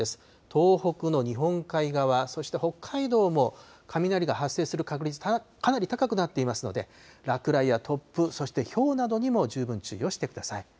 東北の日本海側、そして北海道も雷が発生する確率、かなり高くなっていますので、落雷や突風、そしてひょうなどにも十分注意をしてください。